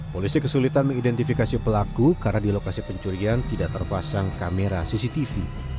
polisi kesulitan mengidentifikasi pelaku karena di lokasi pencurian tidak terpasang kamera cctv